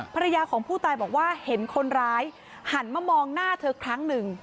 ภรรยาของผู้ตายบอกว่าเห็นคนร้ายหันมามองหน้าเธอครั้งหนึ่ง